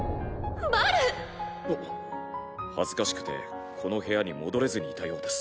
あっ恥ずかしくてこの部屋に戻れずにいたようです。